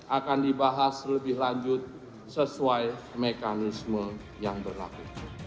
akan dibahas lebih lanjut sesuai mekanisme yang berlaku